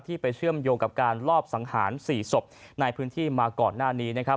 ไปเชื่อมโยงกับการลอบสังหาร๔ศพในพื้นที่มาก่อนหน้านี้นะครับ